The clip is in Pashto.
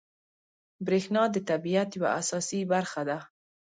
بریښنا د طبیعت یوه اساسي برخه ده